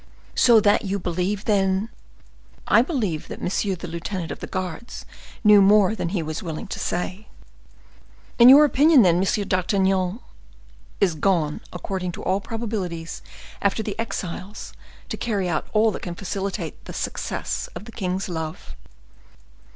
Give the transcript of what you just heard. "So that you believe, then—" "I believe that monsieur the lieutenant of the guards knew more than he was willing to say." "In you opinion, then, M. d'Artagnan—" "Is gone, according to all probability, after the exiles, to carry out all that can facilitate the success of the king's love."